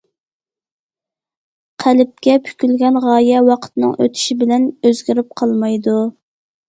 قەلبكە پۈكۈلگەن غايە ۋاقىتنىڭ ئۆتۈشى بىلەن ئۆزگىرىپ قالمايدۇ.